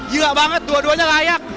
gila banget dua duanya layak